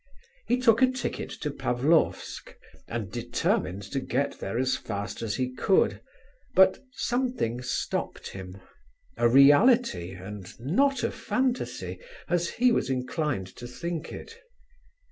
He took a ticket to Pavlofsk, and determined to get there as fast as he could, but something stopped him; a reality, and not a fantasy, as he was inclined to think it.